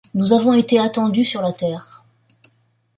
Nous avons été attendus sur la terre.